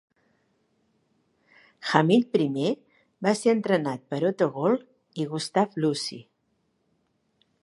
Hamill primer va ser entrenat per Otto Gold i Gustave Lussi.